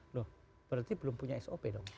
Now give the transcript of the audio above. loh berarti belum punya sop dong